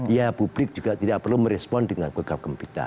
ya publik juga tidak perlu merespon dengan kegempitan